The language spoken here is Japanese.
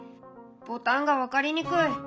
「ボタンが分かりにくい！」。